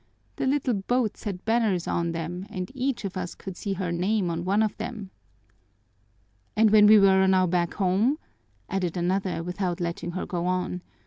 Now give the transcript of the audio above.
The little boats had banners on them and each of us could see her name on one of them." "And when we were on our way back home?" added another, without letting her go on.